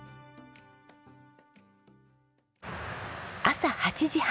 朝８時半。